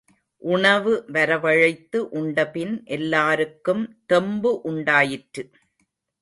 உணவு வரவழைத்து உண்டபின் எல்லாருக்கும் தெம்பு உண்டாயிற்று.